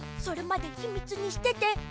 それまでひみつにしてて。